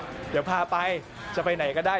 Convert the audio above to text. เดี๋ยวพาไปจะไปไหนก็ได้